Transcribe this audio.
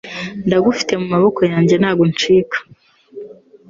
Ndagufite mumaboko yanjye ntago uncika.